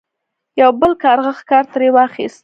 یو بل کارغه ښکار ترې واخیست.